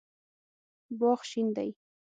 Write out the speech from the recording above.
باغ شین دی